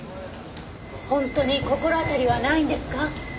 本当に心当たりはないんですか？